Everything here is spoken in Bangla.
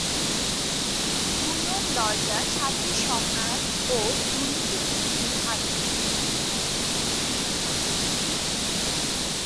ঘূর্ণন দরজা স্বার্থের সংঘাত ও দুর্নীতির একটি উদাহরণ।